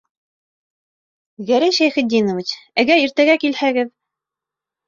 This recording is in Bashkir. Гәрәй Шәйхетдинович, әгәр иртәгә килһәгеҙ...